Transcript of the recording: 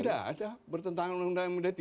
tidak ada bertentangan dengan uu d tiga